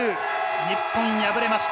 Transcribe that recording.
日本、敗れました。